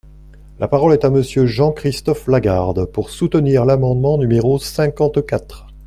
La parole est à Monsieur Jean-Christophe Lagarde, pour soutenir l’amendement numéro cinquante-quatre.